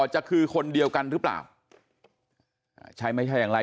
จะคือคนเดียวกันหรือเปล่าใช่ไม่ใช่อย่างไร